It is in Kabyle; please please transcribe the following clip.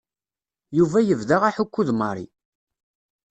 Yuba yebda aḥukku d Mary.